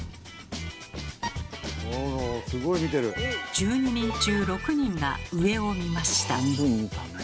１２人中６人が上を見ました。